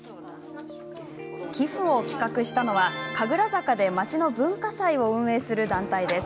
寄付を企画したのは神楽坂でまちの文化祭を運営する団体です。